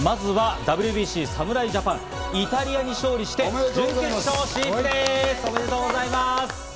まずはＷＢＣ、侍ジャパン、イタリアに勝利して、準決勝進出です！